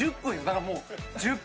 だからもう。